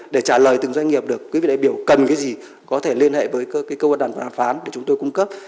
để trả lời từng doanh nghiệp được quý vị đại biểu cần cái gì có thể liên hệ với cái cơ quan đoàn phán để chúng tôi cung cấp